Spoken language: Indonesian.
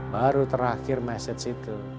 baru terakhir message itu